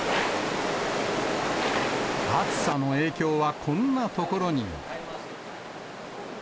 暑さの影響はこんな所にも。